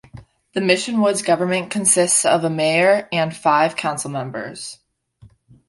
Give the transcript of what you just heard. The Mission Woods government consists of a mayor and five council members.